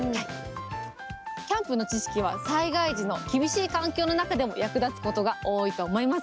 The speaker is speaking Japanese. キャンプの知識は、災害時の厳しい環境の中でも役立つことが多いと思います。